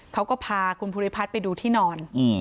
เขาก็พาคุณภูริพัฒน์ไปดูที่นอน